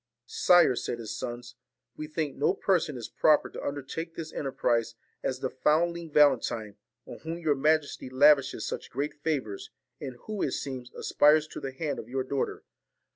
'Sire,' said his sons, 'we think no person is so proper to undertake this enterprise as the found ling Valentine, on whom your majesty lavishes such great favours, and who, it seems, aspires to the hand of your daughter.